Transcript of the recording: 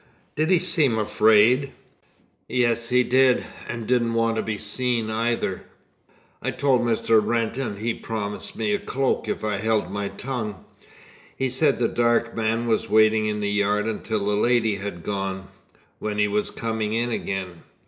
"Did he seem afraid?" "Yes, he did; and didn't want to be seen, neither. I told Mr. Wrent, and he promised me a cloak if I held my tongue. He said the dark man was waiting in the yard until the lady had gone, when he was coming in again."